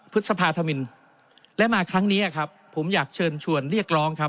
พฤษภาธมินและมาครั้งนี้ครับผมอยากเชิญชวนเรียกร้องครับ